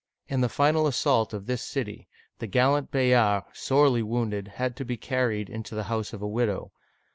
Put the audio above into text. In the final assault of this city, the gal lant Bayard, sorely wounded, had to be carried into the house of a widow.